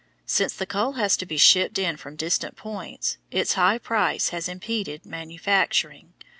Since the coal has to be shipped in from distant points, its high price has impeded manufacturing.